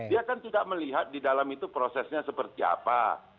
dia kan tidak melihat di dalam itu prosesnya seperti apa